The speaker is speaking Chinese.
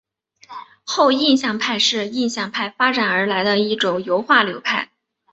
后印象派是印象派发展而来的一种油画流派。